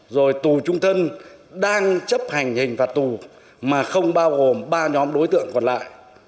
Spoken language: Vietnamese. rồi tù trung thân đang chấp hành hình phạt tù mà không bao gồm ba nhóm đối tượng còn lại